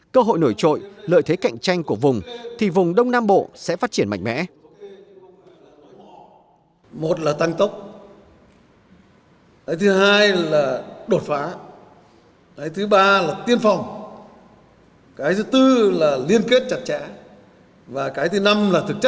cơ hội nổi trội lợi thế cạnh tranh của vùng thì vùng đông nam bộ sẽ phát triển mạnh mẽ